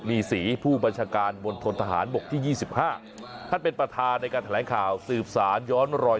มีศรีผู้บัญชาการมณฑนทหารบกที่๒๕ท่านเป็นประธานในการแถลงข่าวสืบสารย้อนรอย